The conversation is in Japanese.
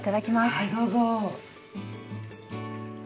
はいどうぞ。